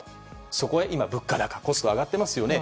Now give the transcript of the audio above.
そこへ今、物価高コストが上がっていますよね。